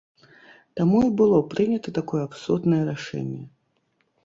Таму і было прынята такое абсурднае рашэнне.